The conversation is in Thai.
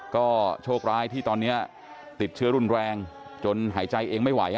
ก็โชคร้ายที่ตอนนี้ติดเชื้อรุนแรงจนหายใจเองไม่ไหว